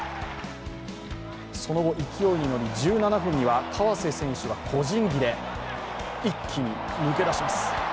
その後勢いに乗り、１７分には河瀬選手が個人技で一気に抜け出します。